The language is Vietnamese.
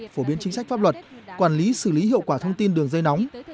phổ biến chính sách pháp luật quản lý xử lý hiệu quả thông tin đường dây nóng